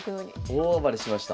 大暴れしました。